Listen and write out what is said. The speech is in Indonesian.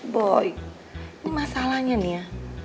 boy ini masalahnya nih ya